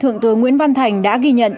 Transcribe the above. thượng tướng nguyễn văn thành đã ghi nhận